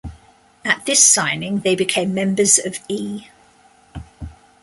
At this signing they became members of 'E.